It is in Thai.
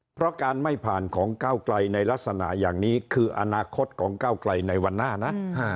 เพราะการไม่ผ่านของก้าวไกลในลักษณะอย่างนี้คืออนาคตของก้าวไกลในวันหน้านะ